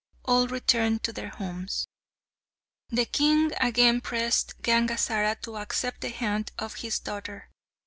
All returned to their homes. The king again pressed Gangazara to accept the hand of his daughter.